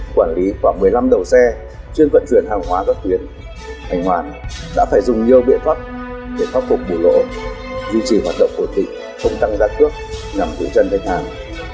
quản lý khoảng một mươi năm đầu xe chuyên vận chuyển hàng hóa gấp tuyến anh hoàn đã phải dùng nhiều biện pháp để khắc phục bổ lộ duy trì hoạt động hồn định không tăng giá cước nhằm đổi chân thanh hàng